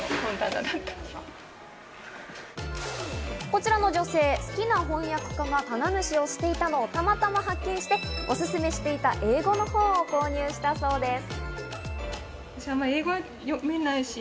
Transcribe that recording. こちらの女性、好きな翻訳家が棚主をしていたのをたまたま発見して、おすすめしていた英語の本を購入したそうです。